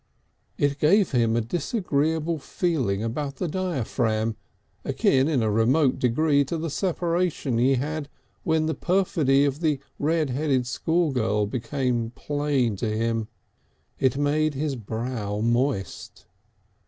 It gave him a disagreeable feeling about the diaphragm, akin in a remote degree to the sensation he had when the perfidy of the red haired schoolgirl became plain to him. It made his brow moist.